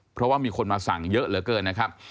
เพราะว่ามีคนมาสั่งเยอะเหลือเกินนะครับ